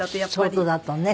外だとね。